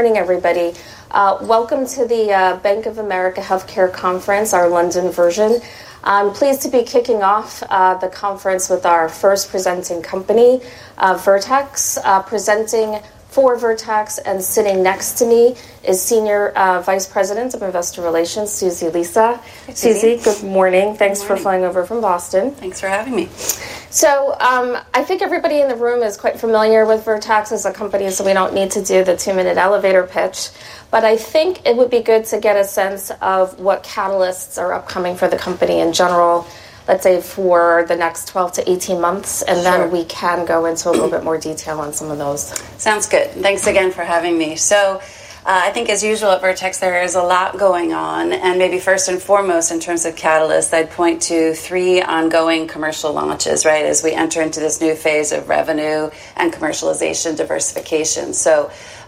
Morning, everybody. Welcome to the Bank of America Healthcare Conference, our London version. I'm pleased to be kicking off the conference with our first presenting company, Vertex Pharmaceuticals, presenting for Vertex Pharmaceuticals. Sitting next to me is Senior Vice President of Investor Relations, Susie Lisa. Susie, good morning. Thanks for flying over from Boston. Thanks for having me. I think everybody in the room is quite familiar with Vertex as a company, so we don't need to do the two-minute elevator pitch. I think it would be good to get a sense of what catalysts are upcoming for the company in general, let's say for the next 12 to 18 months. Then we can go into a little bit more detail on some of those. Sounds good. Thanks again for having me. I think, as usual at Vertex, there is a lot going on. Maybe first and foremost, in terms of catalysts, I'd point to three ongoing commercial launches as we enter into this new phase of revenue and commercialization diversification.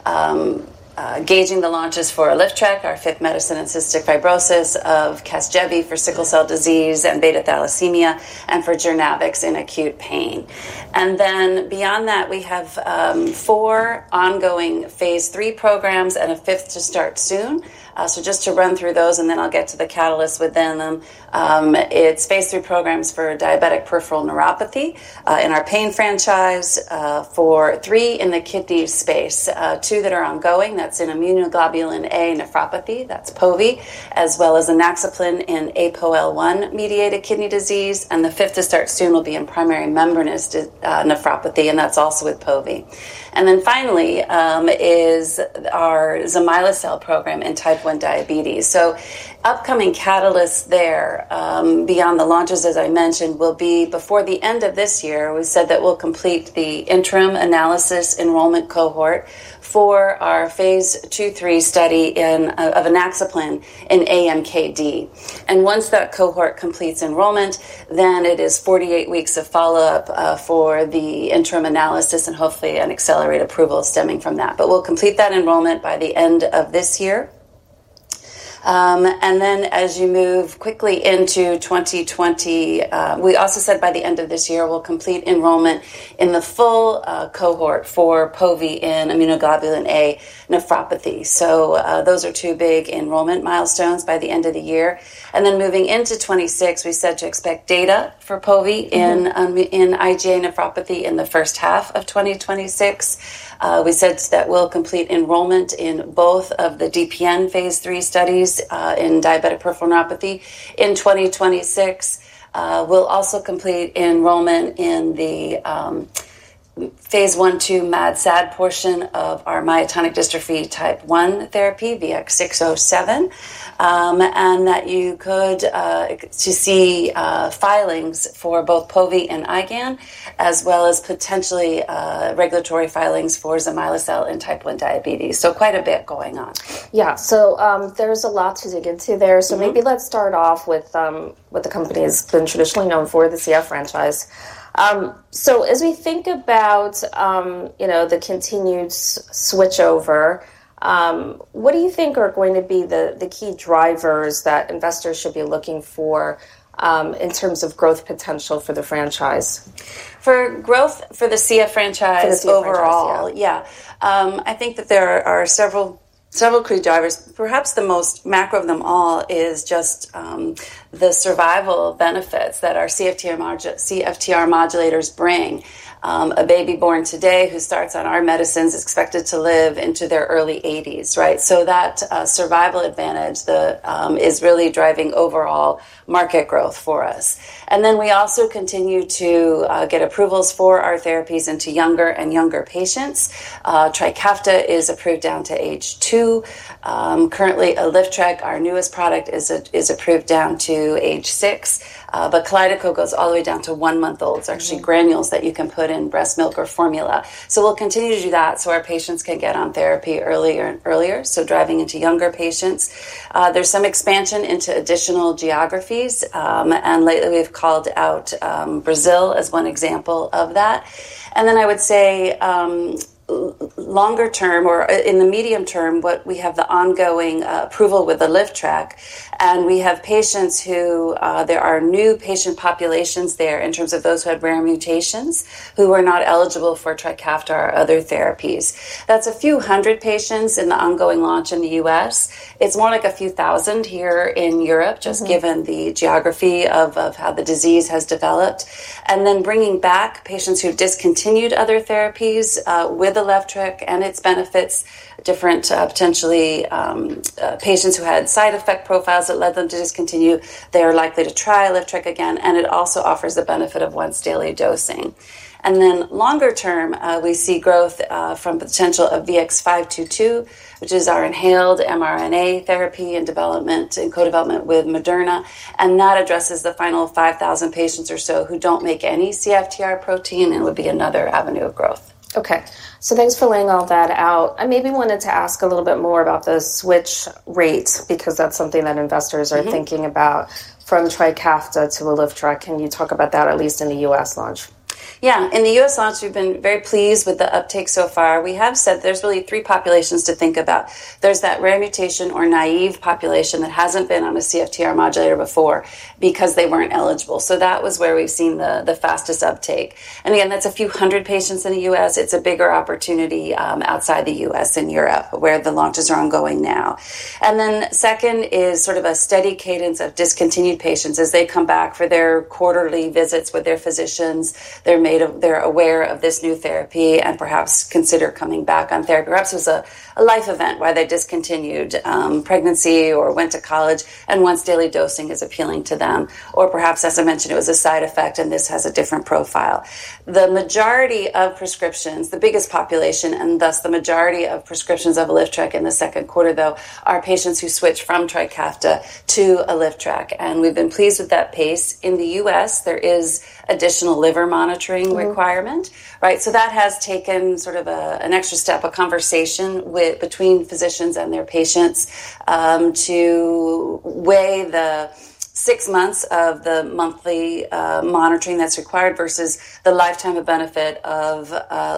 Engaging the launches for LifTrak, our fifth medicine in cystic fibrosis, of Casgevy for sickle cell disease and beta thalassemia, and for Jurnavix in acute pain. Beyond that, we have four ongoing phase 3 programs and a fifth to start soon. Just to run through those, and then I'll get to the catalysts within them. It's phase 3 programs for diabetic peripheral neuropathy in our pain franchise, for three in the kidney space, two that are ongoing, that's in immunoglobulin A nephropathy, that's POVI, as well as enoxaparin in APOL1-mediated kidney disease. The fifth to start soon will be in primary membranous nephropathy, and that's also with POVI. Finally is our Zomylacell program in type 1 diabetes. Upcoming catalysts there, beyond the launches, as I mentioned, will be before the end of this year. We said that we'll complete the interim analysis enrollment cohort for our phase 2-3 study of enoxaparin in AMKD. Once that cohort completes enrollment, then it is 48 weeks of follow-up for the interim analysis and hopefully an accelerated approval stemming from that. We'll complete that enrollment by the end of this year. As you move quickly into 2025, we also said by the end of this year, we'll complete enrollment in the full cohort for POVI in immunoglobulin A nephropathy. Those are two big enrollment milestones by the end of the year. Moving into 2026, we said to expect data for POVI in IgA nephropathy in the first half of 2026. We said that we'll complete enrollment in both of the DPN phase 3 studies in diabetic peripheral neuropathy in 2026. We'll also complete enrollment in the phase 1 to MAD/CAD portion of our myotonic dystrophy type 1 therapy, VX-607, and that you could see filings for both POVI and IgAN, as well as potentially regulatory filings for Zomylacell in type 1 diabetes. Quite a bit going on. Yeah, there is a lot to dig into there. Maybe let's start off with what the company has been traditionally known for, the CF franchise. As we think about the continued switchover, what do you think are going to be the key drivers that investors should be looking for in terms of growth potential for the franchise? For growth for the CF franchise overall? For the CF, yeah. I think that there are several key drivers. Perhaps the most macro of them all is just the survival benefits that our CFTR modulators bring. A baby born today who starts on our medicines is expected to live into their early 80s, right? That survival advantage is really driving overall market growth for us. We also continue to get approvals for our therapies into younger and younger patients. Trikafta is approved down to age two. Currently, LifTrak, our newest product, is approved down to age six. Kalydeco goes all the way down to one month old. It's actually granules that you can put in breast milk or formula. We will continue to do that so our patients can get on therapy earlier and earlier, driving into younger patients. There is some expansion into additional geographies. Lately, we've called out Brazil as one example of that. I would say longer term, or in the medium term, we have the ongoing approval with LifTrak. We have patients who are new patient populations there in terms of those who have rare mutations who are not eligible for Trikafta or other therapies. That's a few hundred patients in the ongoing launch in the U.S. It's more like a few thousand here in Europe, just given the geography of how the disease has developed. Bringing back patients who have discontinued other therapies with LifTrak and its benefits, different potentially patients who had side effect profiles that led them to discontinue, they are likely to try LifTrak again. It also offers the benefit of once daily dosing. Longer term, we see growth from the potential of VX-522, which is our inhaled mRNA therapy in development and co-development with Moderna. That addresses the final 5,000 patients or so who don't make any CFTR protein and would be another avenue of growth. OK, thanks for laying all that out. I maybe wanted to ask a little bit more about the switch rates because that's something that investors are thinking about from Trikafta to LifTrak. Can you talk about that, at least in the U.S. launch? Yeah, in the U.S. launch, we've been very pleased with the uptake so far. We have said there's really three populations to think about. There's that rare mutation or naive population that hasn't been on a CFTR modulator before because they weren't eligible. That was where we've seen the fastest uptake. That's a few hundred patients in the U.S. It's a bigger opportunity outside the U.S. and Europe where the launches are ongoing now. Second is sort of a steady cadence of discontinued patients as they come back for their quarterly visits with their physicians. They're aware of this new therapy and perhaps consider coming back on therapy. Perhaps it was a life event, why they discontinued, pregnancy or went to college, and once daily dosing is appealing to them. Or perhaps, as I mentioned, it was a side effect and this has a different profile. The majority of prescriptions, the biggest population, and thus the majority of prescriptions of LifTrak in the second quarter, though, are patients who switch from Trikafta to LifTrak. We've been pleased with that pace. In the U.S., there is additional liver monitoring requirement, right? That has taken sort of an extra step, a conversation between physicians and their patients to weigh the six months of the monthly monitoring that's required versus the lifetime of benefit of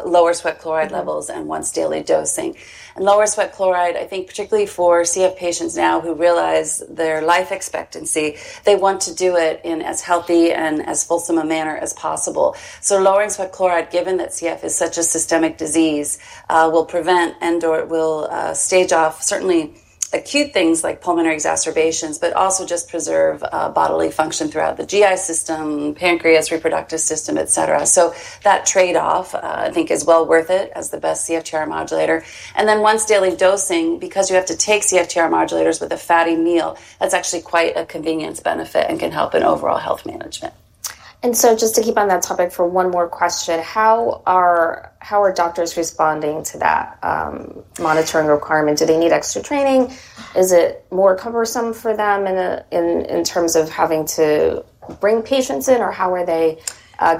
lower sweat chloride levels and once daily dosing. Lower sweat chloride, I think, particularly for CF patients now who realize their life expectancy, they want to do it in as healthy and as wholesome a manner as possible. Lowering sweat chloride, given that CF is such a systemic disease, will prevent and/or will stave off certainly acute things like pulmonary exacerbations, but also just preserve bodily function throughout the GI system, pancreas, reproductive system, et cetera. That trade-off, I think, is well worth it as the best CFTR modulator. Once daily dosing, because you have to take CFTR modulators with a fatty meal, that's actually quite a convenience benefit and can help in overall health management. Just to keep on that topic for one more question, how are doctors responding to that monitoring requirement? Do they need extra training? Is it more cumbersome for them in terms of having to bring patients in? How are they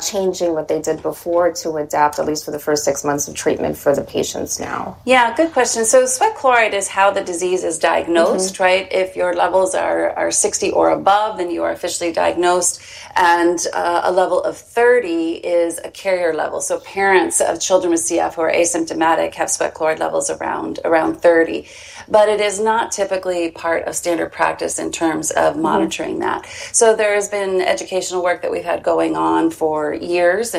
changing what they did before to adapt, at least for the first six months of treatment for the patients now? Good question. Sweat chloride is how the disease is diagnosed, right? If your levels are 60 or above, then you are officially diagnosed. A level of 30 is a carrier level. Parents of children with CF who are asymptomatic have sweat chloride levels around 30. It is not typically part of standard practice in terms of monitoring that. There has been educational work that we've had going on for years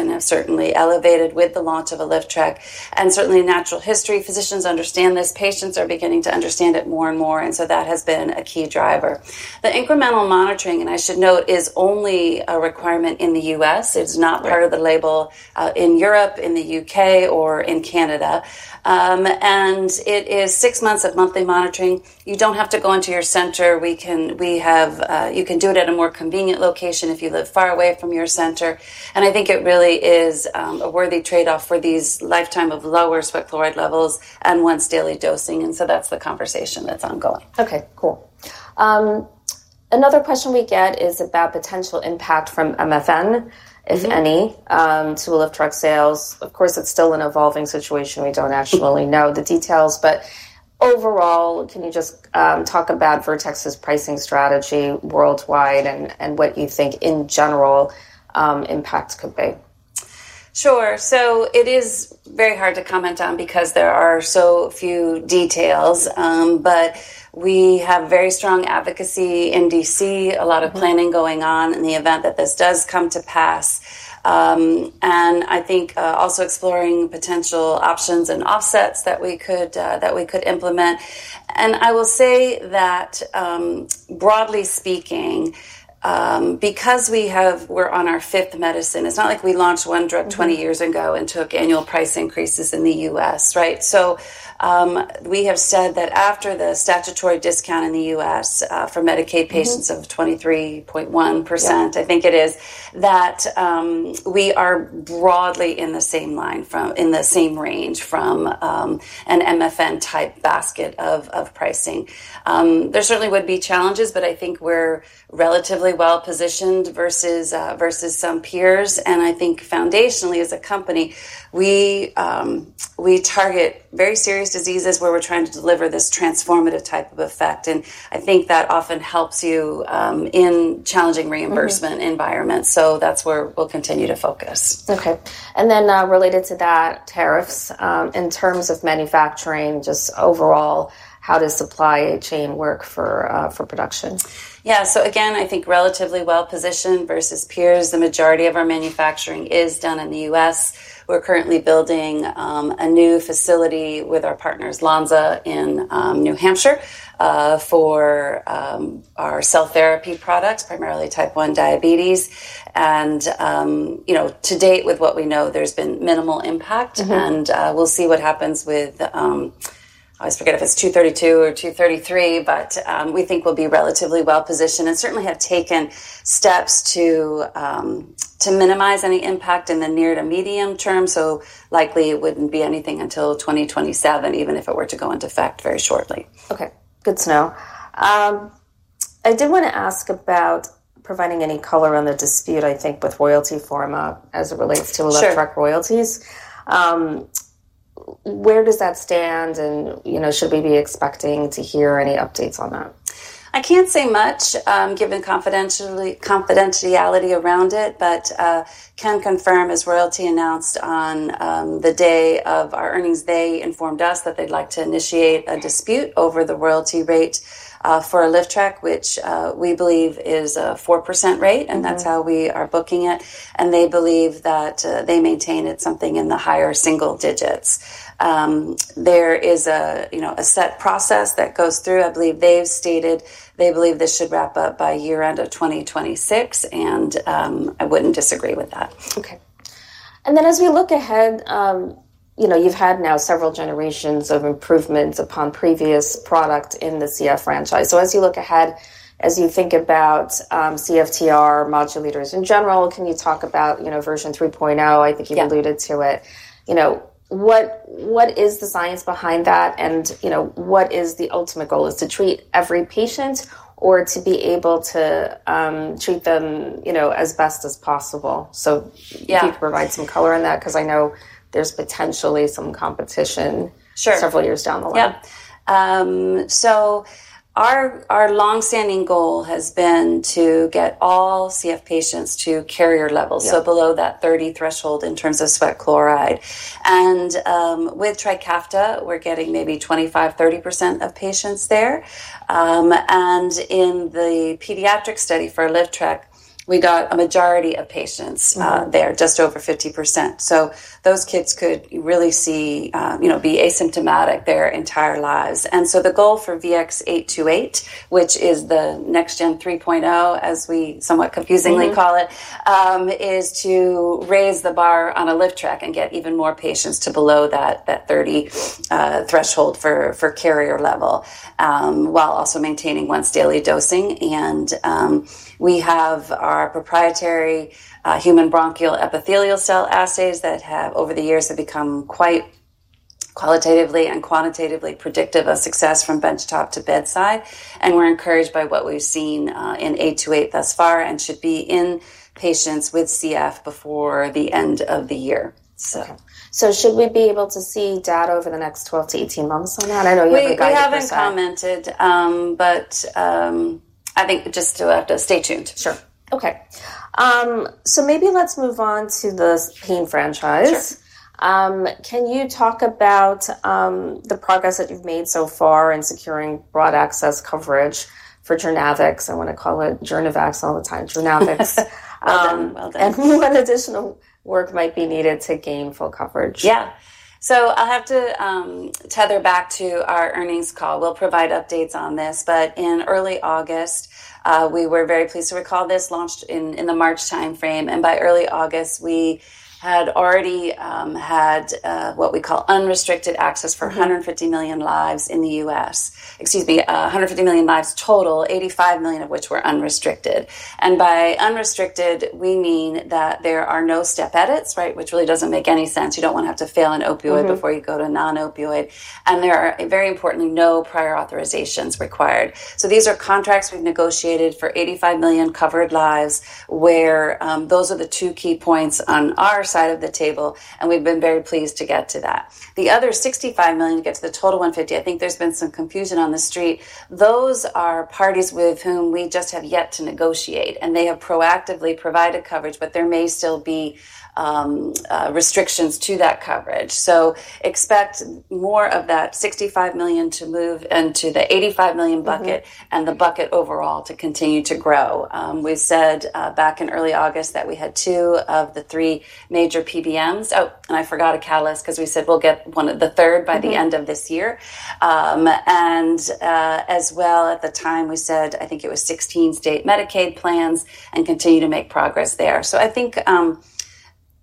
and has certainly elevated with the launch of LifTrak. Natural history, physicians understand this. Patients are beginning to understand it more and more. That has been a key driver. The incremental monitoring, and I should note, is only a requirement in the U.S. It is not part of the label in Europe, in the UK, or in Canada. It is six months of monthly monitoring. You don't have to go into your center. You can do it at a more convenient location if you live far away from your center. I think it really is a worthy trade-off for these lifetime of lower sweat chloride levels and once daily dosing. That is the conversation that's ongoing. OK, cool. Another question we get is about potential impact from MSN, if any, to LifTrak sales. Of course, it's still an evolving situation. We don't actually know the details. Overall, can you just talk about Vertex's pricing strategy worldwide and what you think in general impacts could be? Sure. It is very hard to comment on because there are so few details. We have very strong advocacy in D.C., a lot of planning going on in the event that this does come to pass. I think also exploring potential options and offsets that we could implement. I will say that, broadly speaking, because we're on our fifth medicine, it's not like we launched one drug 20 years ago and took annual price increases in the U.S., right? We have said that after the statutory discount in the U.S. for Medicaid patients of 23.1%, I think it is, that we are broadly in the same line, in the same range from an MSN-type basket of pricing. There certainly would be challenges, but I think we're relatively well-positioned versus some peers. I think foundationally, as a company, we target very serious diseases where we're trying to deliver this transformative type of effect. I think that often helps you in challenging reimbursement environments. That's where we'll continue to focus. OK. Related to that, tariffs in terms of manufacturing, just overall, how does supply chain work for production? Yeah, so again, I think relatively well-positioned versus peers. The majority of our manufacturing is done in the U.S. We're currently building a new facility with our partners, Lonza, in New Hampshire for our cell therapy product, primarily type 1 diabetes. To date, with what we know, there's been minimal impact. We'll see what happens with, I always forget if it's 232 or 233. We think we'll be relatively well-positioned and certainly have taken steps to minimize any impact in the near to medium term. Likely, it wouldn't be anything until 2027, even if it were to go into effect very shortly. OK, good to know. I did want to ask about providing any color on the dispute, I think, with Royalty Pharma as it relates to LifTrak royalties. Where does that stand? Should we be expecting to hear any updates on that? I can't say much, given confidentiality around it. I can confirm, as royalty announced on the day of our earnings, they informed us that they'd like to initiate a dispute over the royalty rate for LifTrak, which we believe is a 4% rate. That's how we are booking it. They believe that they maintain it something in the higher single digits. There is a set process that goes through. I believe they've stated they believe this should wrap up by year end of 2026. I wouldn't disagree with that. OK. As we look ahead, you've had now several generations of improvements upon previous products in the CF franchise. As you look ahead, as you think about CFTR modulators in general, can you talk about version 3.0? I think you've alluded to it. What is the science behind that? What is the ultimate goal? Is it to treat every patient or to be able to treat them as best as possible? If you could provide some color on that, because I know there's potentially some competition several years down the line. Yeah. Our longstanding goal has been to get all CF patients to carrier levels, so below that 30 threshold in terms of sweat chloride. With Trikafta, we're getting maybe 25%, 30% of patients there. In the pediatric study for LifTrak, we got a majority of patients there, just over 50%. Those kids could really be asymptomatic their entire lives. The goal for VX-828, which is the next-gen 3.0, as we somewhat confusingly call it, is to raise the bar on LifTrak and get even more patients to below that 30 threshold for carrier level while also maintaining once daily dosing. We have our proprietary human bronchial epithelial cell assays that have, over the years, become quite qualitatively and quantitatively predictive of success from benchtop to bedside. We're encouraged by what we've seen in 828 thus far and should be in patients with CF before the end of the year. Should we be able to see data over the next 12 to 18 months on that? We have not commented, just to stay tuned. Sure. OK. Maybe let's move on to the pain franchise. Can you talk about the progress that you've made so far in securing broad access coverage for Jurnavix? I want to call it Jurnavax all the time, Jurnavix. What additional work might be needed to gain full coverage? Yeah. I'll have to tether back to our earnings call. We'll provide updates on this. In early August, we were very pleased to recall this launch in the March time frame. By early August, we had already had what we call unrestricted access for 150 million lives in the U.S., 150 million lives total, 85 million of which were unrestricted. By unrestricted, we mean that there are no step edits, right, which really doesn't make any sense. You don't want to have to fail an opioid before you go to a non-opioid. There are, very importantly, no prior authorizations required. These are contracts we've negotiated for 85 million covered lives, where those are the two key points on our side of the table. We've been very pleased to get to that. The other 65 million to get to the total 150, I think there's been some confusion on the street. Those are parties with whom we just have yet to negotiate. They have proactively provided coverage, but there may still be restrictions to that coverage. Expect more of that 65 million to move into the 85 million bucket and the bucket overall to continue to grow. We said back in early August that we had two of the three major PBMs. Oh, and I forgot a catalyst because we said we'll get one of the third by the end of this year. At the time, we said, I think it was 16 state Medicaid plans and continue to make progress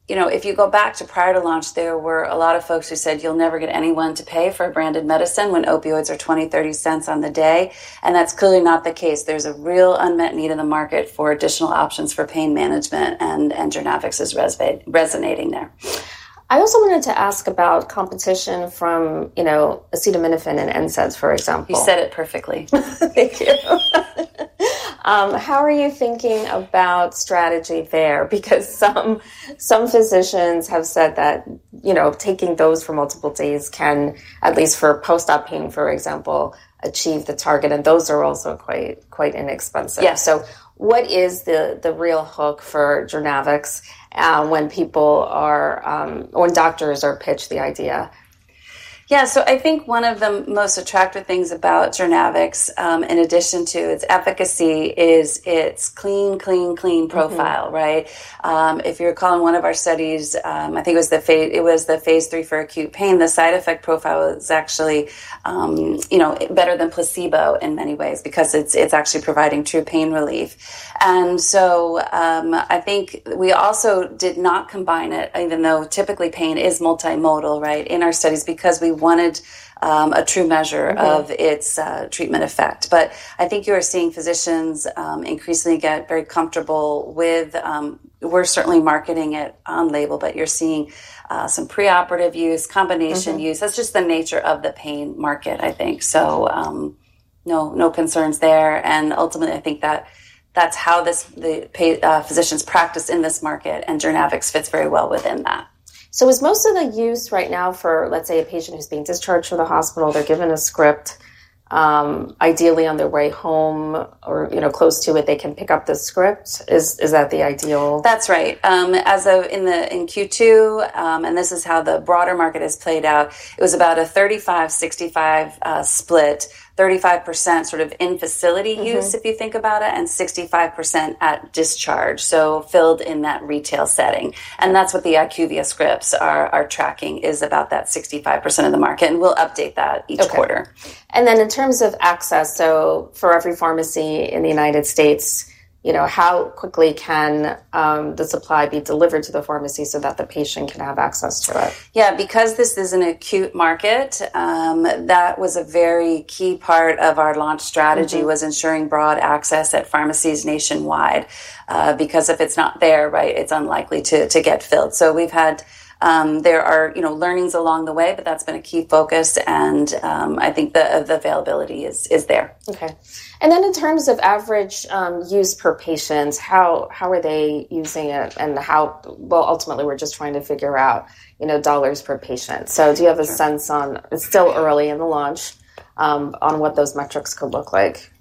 there. If you go back to prior to launch, there were a lot of folks who said you'll never get anyone to pay for a branded medicine when opioids are $0.20, $0.30 on the day. That's clearly not the case. There's a real unmet need in the market for additional options for pain management. Jurnavix is resonating there. I also wanted to ask about competition from acetaminophen and NSAIDs, for example. You said it perfectly. How are you thinking about strategy there? Some physicians have said that taking those for multiple days can, at least for post-op pain, for example, achieve the target. Those are also quite inexpensive. What is the real hook for Jurnavix when people are or when doctors are pitched the idea? I think one of the most attractive things about Jurnavix, in addition to its efficacy, is its clean, clean, clean profile, right? If you recall in one of our studies, I think it was the phase 3 for acute pain. The side effect profile is actually better than placebo in many ways because it's actually providing true pain relief. We also did not combine it, even though typically pain is multimodal, right, in our studies because we wanted a true measure of its treatment effect. I think you are seeing physicians increasingly get very comfortable with we're certainly marketing it on label. You're seeing some preoperative use, combination use. That's just the nature of the pain market, I think. No concerns there. Ultimately, I think that that's how the physicians practice in this market. Jurnavix fits very well within that. Is most of the use right now for, let's say, a patient who's being discharged from the hospital, they're given a script. Ideally, on their way home or close to it, they can pick up the script. Is that the ideal? That's right. As of Q2, and this is how the broader market has played out, it was about a 35/65 split, 35% sort of in-facility use if you think about it, and 65% at discharge, so filled in that retail setting. That's what the IQVIA scripts are tracking, is about that 65% of the market. We'll update that each quarter. In terms of access, for every pharmacy in the U.S., how quickly can the supply be delivered to the pharmacy so that the patient can have access to it? Yeah, because this is an acute market, that was a very key part of our launch strategy, was ensuring broad access at pharmacies nationwide. If it's not there, it's unlikely to get filled. We've had learnings along the way, but that's been a key focus. I think the availability is there. OK. In terms of average use per patient, how are they using it? Ultimately, we're just trying to figure out dollars per patient. Do you have a sense on it's still early in the launch on what those metrics could look like?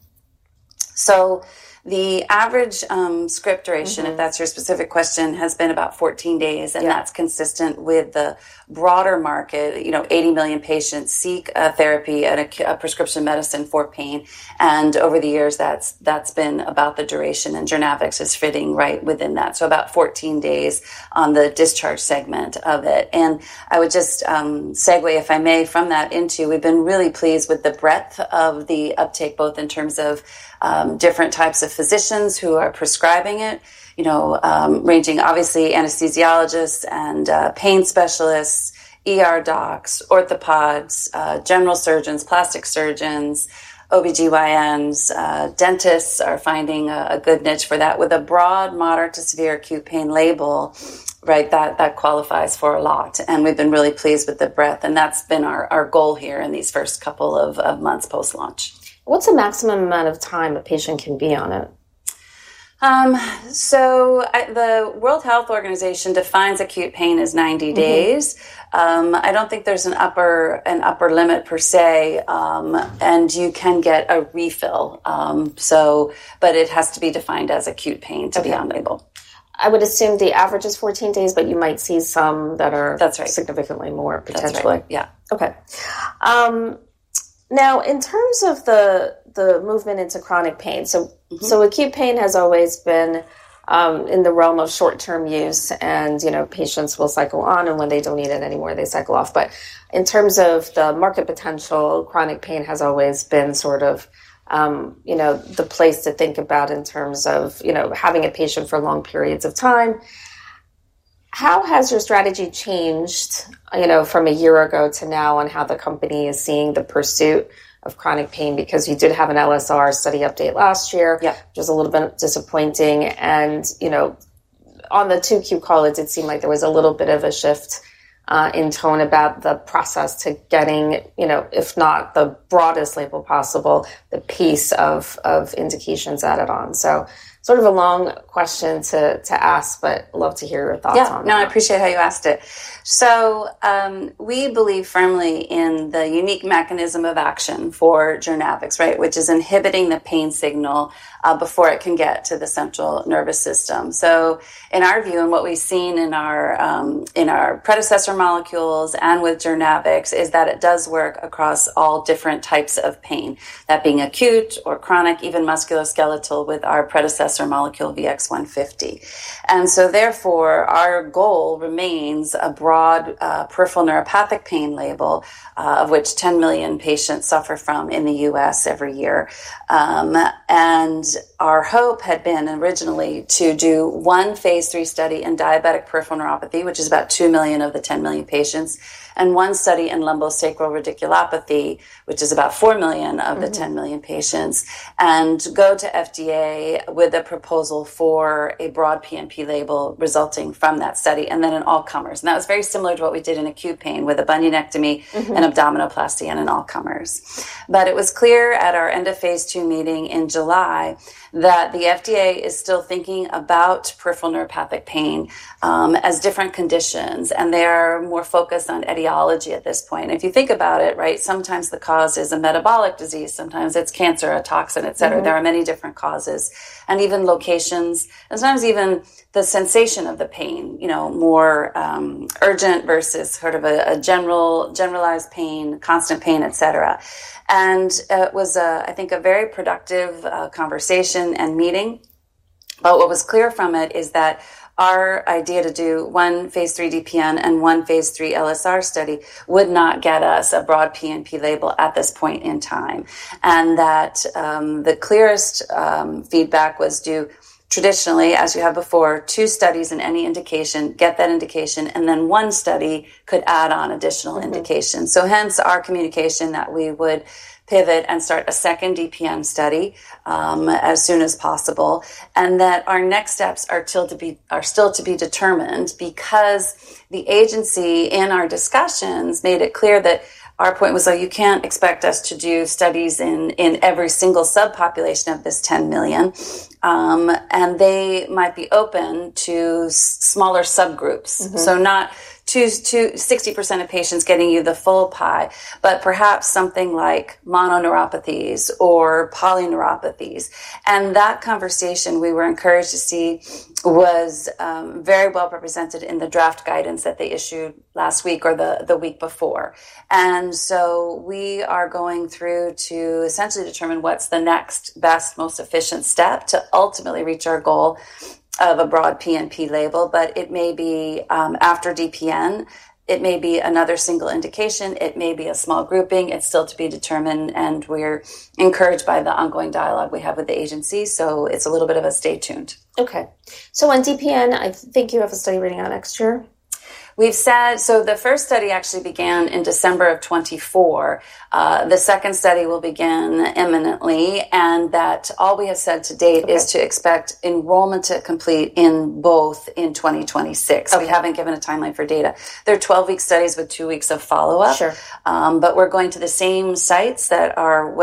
The average script duration, if that's your specific question, has been about 14 days. That's consistent with the broader market. 80 million patients seek a therapy, a prescription medicine for pain. Over the years, that's been about the duration, and Jurnavix is fitting right within that. About 14 days on the discharge segment of it. I would just segue, if I may, from that into we've been really pleased with the breadth of the uptake, both in terms of different types of physicians who are prescribing it, ranging, obviously, anesthesiologists and pain specialists, docs, orthopods, general surgeons, plastic surgeons, OB-GYNs. Dentists are finding a good niche for that. With a broad moderate to severe acute pain label, that qualifies for a lot. We've been really pleased with the breadth, and that's been our goal here in these first couple of months post-launch. What's the maximum amount of time a patient can be on it? The World Health Organization defines acute pain as 90 days. I don't think there's an upper limit per se. You can get a refill, but it has to be defined as acute pain to be on label. I would assume the average is 14 days, but you might see some that are significantly more, potentially. That's right. OK. Now, in terms of the movement into chronic pain, acute pain has always been in the realm of short-term use. Patients will cycle on, and when they don't need it anymore, they cycle off. In terms of the market potential, chronic pain has always been sort of the place to think about in terms of having a patient for long periods of time. How has your strategy changed from a year ago to now on how the company is seeing the pursuit of chronic pain? You did have an LSR study update last year, which is a little bit disappointing. On the two Q calls, it seemed like there was a little bit of a shift in tone about the process to getting, if not the broadest label possible, the piece of indications added on. Sort of a long question to ask, but love to hear your thoughts on that. Yeah, no, I appreciate how you asked it. We believe firmly in the unique mechanism of action for Jurnavix, which is inhibiting the pain signal before it can get to the central nervous system. In our view, and what we've seen in our predecessor molecules and with Jurnavix, is that it does work across all different types of pain, that being acute or chronic, even musculoskeletal, with our predecessor molecule VX-150. Therefore, our goal remains a broad peripheral neuropathic pain label, of which 10 million patients suffer from in the U.S. every year. Our hope had been originally to do one phase 3 study in diabetic peripheral neuropathy, which is about 2 million of the 10 million patients, and one study in lumbosacral radiculopathy, which is about 4 million of the 10 million patients, and go to the FDA with a proposal for a broad PMP label resulting from that study, and then an all-comers. That was very similar to what we did in acute pain with a bunionectomy and abdominoplasty and an all-comers. It was clear at our end of phase 2 meeting in July that the FDA is still thinking about peripheral neuropathic pain as different conditions. They are more focused on etiology at this point. If you think about it, sometimes the cause is a metabolic disease. Sometimes it's cancer, a toxin, et cetera. There are many different causes, and even locations, and sometimes even the sensation of the pain, more urgent versus sort of a generalized pain, constant pain, et cetera. It was, I think, a very productive conversation and meeting. What was clear from it is that our idea to do one phase 3 DPN and one phase 3 LSR study would not get us a broad PMP label at this point in time. The clearest feedback was to traditionally, as you have before, two studies in any indication, get that indication. Then one study could add on additional indication. Hence our communication that we would pivot and start a second DPN study as soon as possible. Our next steps are still to be determined because the agency in our discussions made it clear that our point was, oh, you can't expect us to do studies in every single subpopulation of this 10 million. They might be open to smaller subgroups. Not 60% of patients getting you the full pie, but perhaps something like mononeuropathies or polyneuropathies. That conversation we were encouraged to see was very well represented in the draft guidance that they issued last week or the week before. We are going through to essentially determine what's the next best, most efficient step to ultimately reach our goal of a broad PMP label. It may be after DPN. It may be another single indication. It may be a small grouping. It's still to be determined. We are encouraged by the ongoing dialogue we have with the agency. It's a little bit of a stay tuned. OK. On DPN, I think you have a study running out next year. We've said the first study actually began in December of 2024. The second study will begin imminently. All we have said to date is to expect enrollment to complete in both in 2026. We haven't given a timeline for data. They're 12-week studies with two weeks of follow-up. We're going to the same sites that are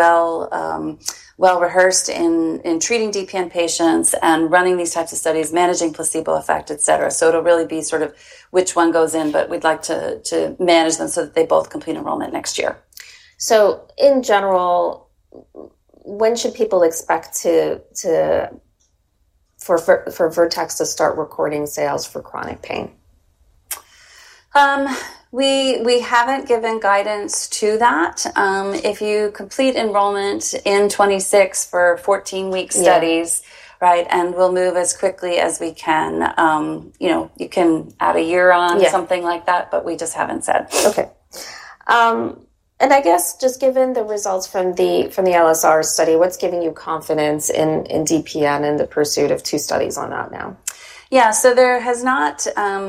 well-rehearsed in treating DPN patients and running these types of studies, managing placebo effect, et cetera. It'll really be sort of which one goes in. We'd like to manage them so that they both complete enrollment next year. In general, when should people expect for Vertex to start recording sales for chronic pain? We haven't given guidance to that. If you complete enrollment in 2026 for 14-week studies, right, we'll move as quickly as we can. You can add a year on, something like that. We just haven't said. OK. Given the results from the LSR study, what's giving you confidence in DPN and the pursuit of two studies on that now? There has not.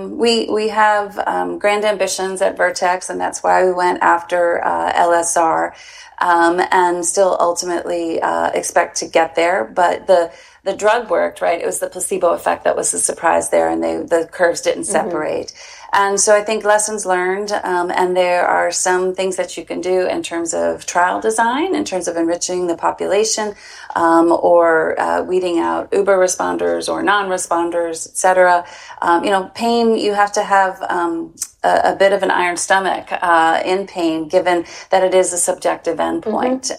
We have grand ambitions at Vertex. That's why we went after LSR and still ultimately expect to get there. The drug worked, right? It was the placebo effect that was the surprise there, and the curves didn't separate. I think lessons learned. There are some things that you can do in terms of trial design, in terms of enriching the population or weeding out uber responders or non-responders, et cetera. Pain, you have to have a bit of an iron stomach in pain, given that it is a subjective endpoint.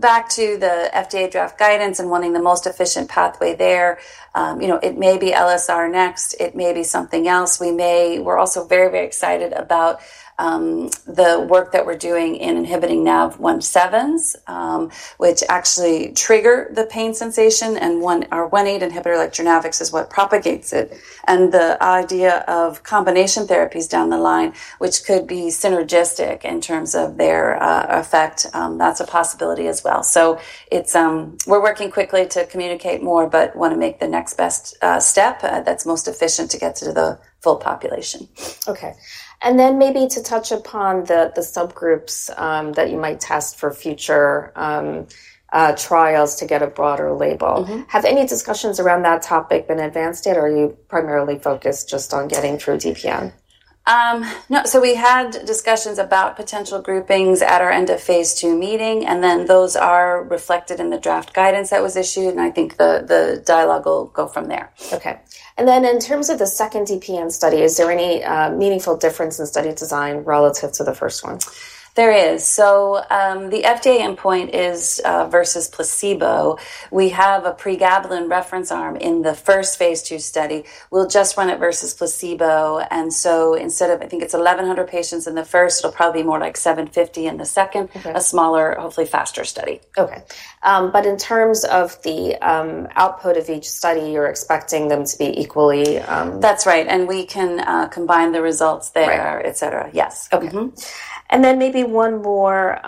Back to the FDA draft guidance and wanting the most efficient pathway there, it may be LSR next. It may be something else. We're also very, very excited about the work that we're doing in inhibiting NAV1.7s, which actually trigger the pain sensation, and our 1A inhibitor, like Jurnavix, is what propagates it. The idea of combination therapies down the line, which could be synergistic in terms of their effect, that's a possibility as well. We're working quickly to communicate more, but want to make the next best step that's most efficient to get to the full population. OK. Maybe to touch upon the subgroups that you might test for future trials to get a broader label, have any discussions around that topic been advanced yet? Are you primarily focused just on getting through DPN? We had discussions about potential groupings at our end of phase 2 meeting. Those are reflected in the draft guidance that was issued. I think the dialogue will go from there. OK. In terms of the second DPN study, is there any meaningful difference in study design relative to the first one? There is. The FDA endpoint is versus placebo. We have a pregabalin reference arm in the first phase 2 study. We'll just run it versus placebo. Instead of, I think it's 1,100 patients in the first, it'll probably be more like 750 in the second, a smaller, hopefully faster study. OK. In terms of the output of each study, you're expecting them to be equally? That's right. We can combine the results there, et cetera. Yes. OK. Maybe one more.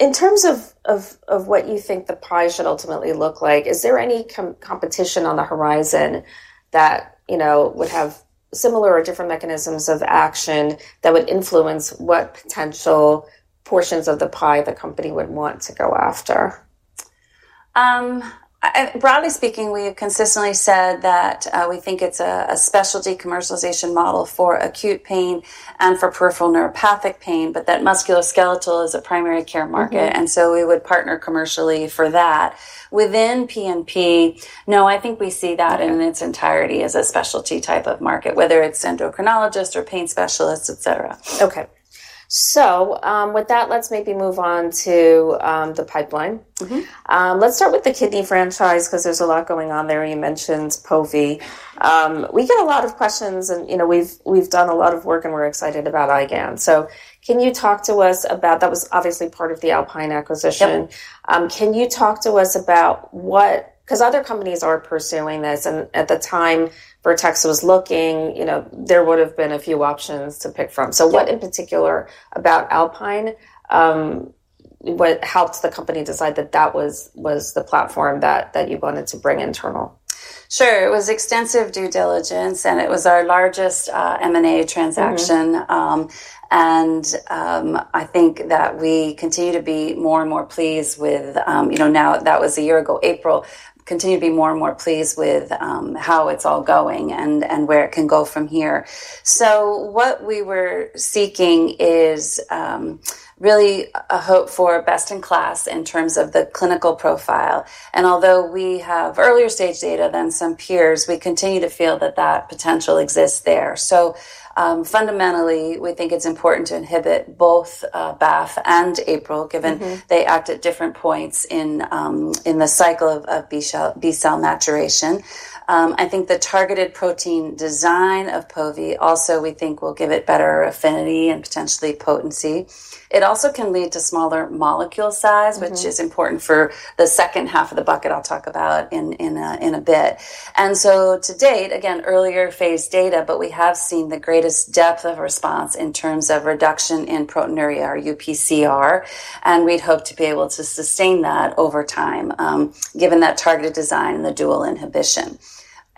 In terms of what you think the pie should ultimately look like, is there any competition on the horizon that would have similar or different mechanisms of action that would influence what potential portions of the pie the company would want to go after? Broadly speaking, we have consistently said that we think it's a specialty commercialization model for acute pain and for peripheral neuropathic pain. Musculoskeletal is a primary care market, so we would partner commercially for that. Within PMP, no, I think we see that in its entirety as a specialty type of market, whether it's endocrinologists or pain specialists, et cetera. OK. With that, let's maybe move on to the pipeline. Let's start with the kidney franchise because there's a lot going on there. You mentioned POVI. We get a lot of questions. We've done a lot of work, and we're excited about IgAN. Can you talk to us about that? That was obviously part of the Alpine acquisition. Can you talk to us about what, because other companies are pursuing this, and at the time Vertex was looking, there would have been a few options to pick from. What in particular about Alpine helped the company decide that that was the platform that you wanted to bring internal? Sure. It was extensive due diligence. It was our largest M&A transaction. I think that we continue to be more and more pleased with, now that was a year ago April, continue to be more and more pleased with how it's all going and where it can go from here. What we were seeking is really a hope for best in class in terms of the clinical profile. Although we have earlier stage data than some peers, we continue to feel that that potential exists there. Fundamentally, we think it's important to inhibit both BAF and APRIL, given they act at different points in the cycle of B-cell maturation. I think the targeted protein design of POVI also, we think, will give it better affinity and potentially potency. It also can lead to smaller molecule size, which is important for the second half of the bucket I'll talk about in a bit. To date, again, earlier phase data, but we have seen the greatest depth of response in terms of reduction in proteinuria, our UPCR. We'd hope to be able to sustain that over time, given that targeted design and the dual inhibition.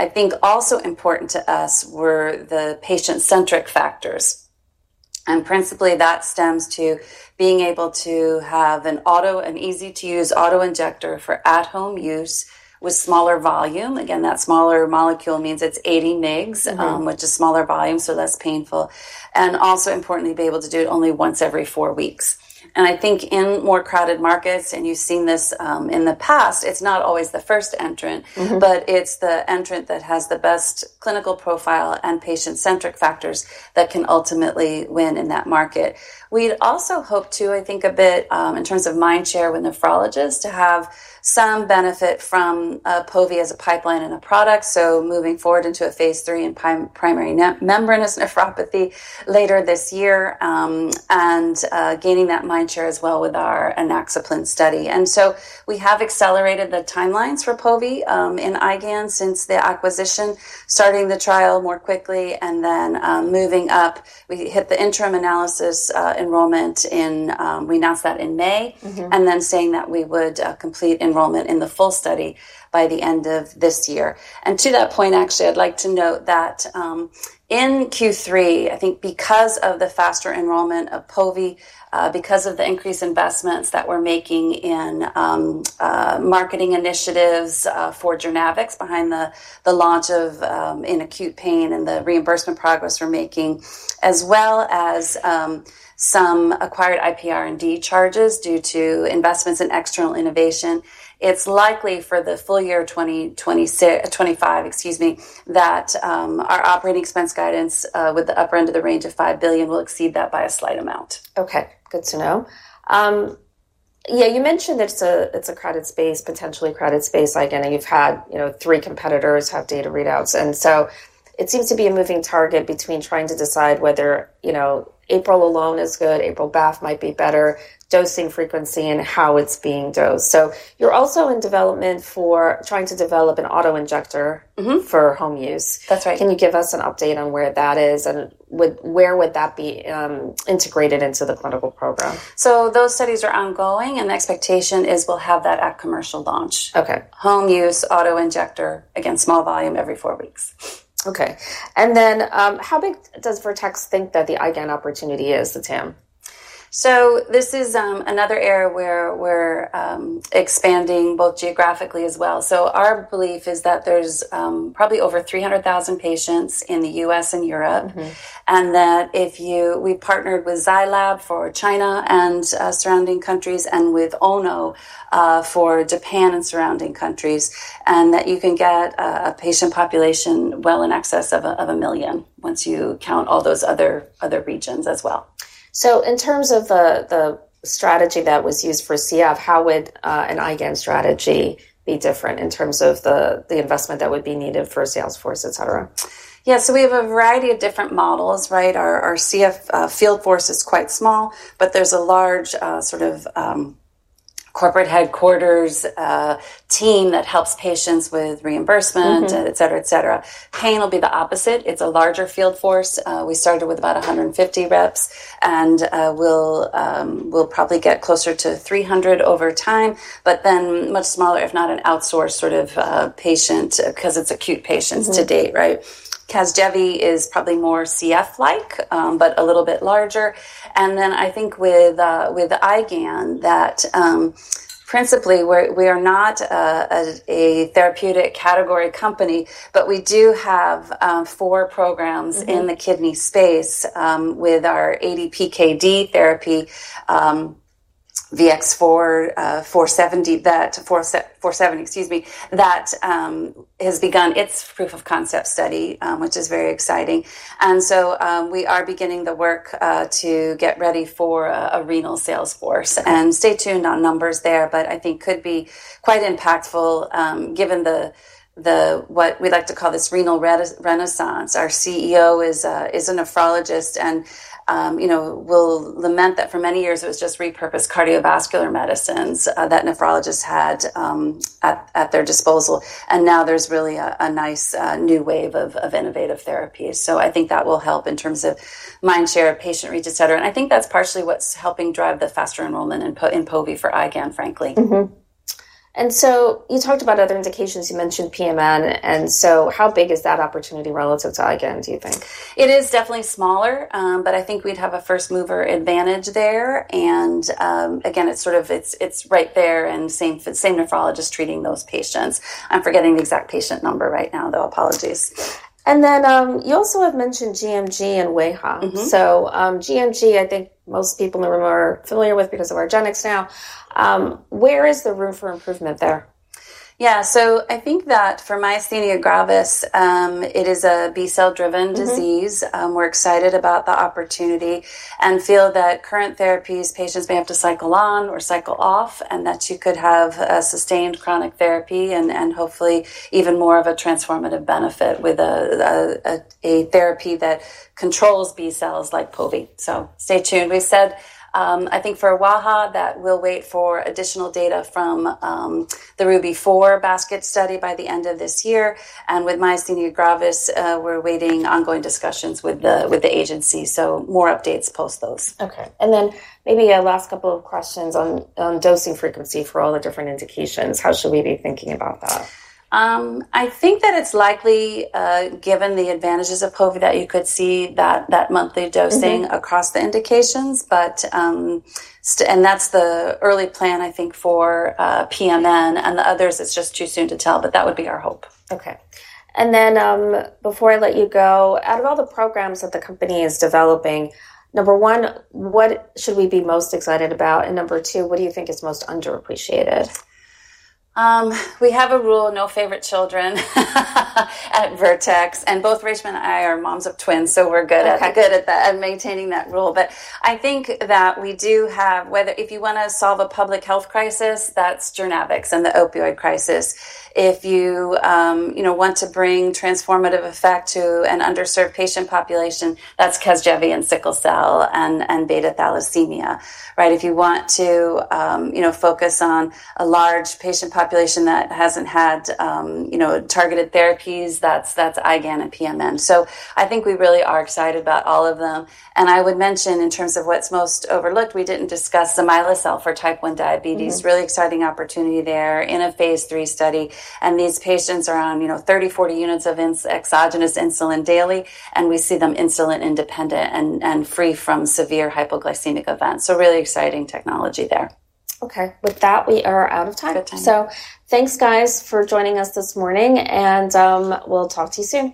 I think also important to us were the patient-centric factors. Principally, that stems to being able to have an easy-to-use autoinjector for at-home use with smaller volume. Again, that smaller molecule means it's 80 mg, which is smaller volume, so less painful. Also importantly, be able to do it only once every four weeks. I think in more crowded markets, and you've seen this in the past, it's not always the first entrant. It's the entrant that has the best clinical profile and patient-centric factors that can ultimately win in that market. We'd also hope to, I think, a bit in terms of mind share with nephrologists to have some benefit from POVI as a pipeline and a product. Moving forward into a phase 3 in primary membranous nephropathy later this year and gaining that mind share as well with our enoxaparin study. We have accelerated the timelines for POVI in IgAN since the acquisition, starting the trial more quickly and then moving up. We hit the interim analysis enrollment in, we announced that in May, and then saying that we would complete enrollment in the full study by the end of this year. To that point, actually, I'd like to note that in Q3, I think because of the faster enrollment of POVI, because of the increased investments that we're making in marketing initiatives for Jurnavix behind the launch in acute pain and the reimbursement progress we're making, as well as some acquired IPR&D charges due to investments in external innovation, it's likely for the full year 2025, excuse me, that our operating expense guidance with the upper end of the range of $5 billion will exceed that by a slight amount. OK, good to know. You mentioned it's a credit space, potentially credit space. I know you've had three competitors have data readouts. It seems to be a moving target between trying to decide whether April alone is good, April BAF might be better, dosing frequency, and how it's being dosed. You're also in development for trying to develop an autoinjector for home use. That's right. Can you give us an update on where that is and where would that be integrated into the clinical program? Those studies are ongoing, and the expectation is we'll have that at commercial launch. OK. Home use autoinjector, again, small volume, every four weeks. How big does Vertex think that the IgAN opportunity is, the TAM? This is another area where we're expanding both geographically as well. Our belief is that there's probably over 300,000 patients in the U.S. and Europe, and that if you partnered with Xylab for China and surrounding countries and with Ono for Japan and surrounding countries, you can get a patient population well in excess of a million once you count all those other regions as well. In terms of the strategy that was used for CF, how would an IgAN strategy be different in terms of the investment that would be needed for sales force, et cetera? Yeah, so we have a variety of different models, right? Our CF field force is quite small, but there's a large sort of corporate headquarters team that helps patients with reimbursement, et cetera, et cetera. Pain will be the opposite. It's a larger field force. We started with about 150 reps, and we'll probably get closer to 300 over time, but then much smaller, if not an outsourced sort of patient because it's acute patients to date, right? Casgevy is probably more CF-like but a little bit larger. I think with IgAN that principally, we are not a therapeutic category company, but we do have four programs in the kidney space with our 80 PKD therapy, VX-470, excuse me, that has begun its proof of concept study, which is very exciting. We are beginning the work to get ready for a renal sales force. Stay tuned on numbers there. I think it could be quite impactful given what we'd like to call this renal renaissance. Our CEO is a nephrologist and will lament that for many years, it was just repurposed cardiovascular medicines that nephrologists had at their disposal. Now there's really a nice new wave of innovative therapies. I think that will help in terms of mind share, patient reach, et cetera. I think that's partially what's helping drive the faster enrollment in POVI for IgAN, frankly. You talked about other indications. You mentioned PMN. How big is that opportunity relative to IgAN, do you think? It is definitely smaller. I think we'd have a first mover advantage there. Again, it's sort of right there, and same nephrologists treating those patients. I'm forgetting the exact patient number right now, though. Apologies. You also have mentioned GMG and WEHA. GMG, I think most people are more familiar with because of argenx now. Where is the room for improvement there? Yeah, I think that for myasthenia gravis, it is a B-cell-driven disease. We're excited about the opportunity and feel that current therapies, patients may have to cycle on or cycle off, and that you could have sustained chronic therapy and hopefully even more of a transformative benefit with a therapy that controls B cells like POVI. Stay tuned. We said, I think for WEHA, that we'll wait for additional data from the RUBY4 basket study by the end of this year. With myasthenia gravis, we're awaiting ongoing discussions with the agency. More updates post those. OK. Maybe a last couple of questions on dosing frequency for all the different indications. How should we be thinking about that? I think that it's likely, given the advantages of POVI, that you could see that monthly dosing across the indications. That's the early plan, I think, for PMN. For the others, it's just too soon to tell. That would be our hope. OK. Before I let you go, out of all the programs that the company is developing, number one, what should we be most excited about? Number two, what do you think is most underappreciated? We have a rule, no favorite children at Vertex. Both Reshma and I are moms of twins, so we're good at that and maintaining that rule. I think that we do have whether if you want to solve a public health crisis, that's Jurnavix and the opioid crisis. If you want to bring transformative effect to an underserved patient population, that's Casgevy and sickle cell and beta thalassemia, right? If you want to focus on a large patient population that hasn't had targeted therapies, that's IgAN and PMN. I think we really are excited about all of them. I would mention, in terms of what's most overlooked, we didn't discuss the Zomylacell for type 1 diabetes, really exciting opportunity there in a phase 3 study. These patients are on 30, 40 units of exogenous insulin daily, and we see them insulin-independent and free from severe hypoglycemic events. Really exciting technology there. OK. With that, we are out of time. Good time. Thank you, guys, for joining us this morning. We'll talk to you soon.